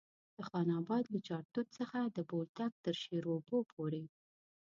د خان اباد له چارتوت څخه د بولدک تر شیرو اوبو پورې.